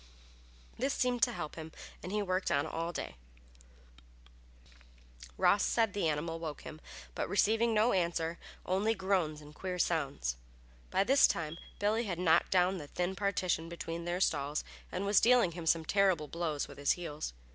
This seemed to help him and he worked on all day. Before morning, though, Ross said the animal woke him, but received no answer, only groans and queer sounds. By this time Billy had knocked down the thin partition between their stalls and was dealing him some terrible blows with his heels.